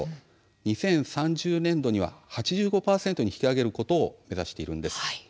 ２０３０年度には８５％に引き上げることを目指しているんです。